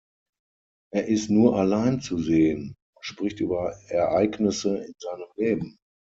Er ist nur allein zu sehen und spricht über Ereignisse in seinem Leben.